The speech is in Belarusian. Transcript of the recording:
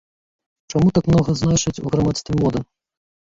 Чаму так многа значыць у грамадстве мода?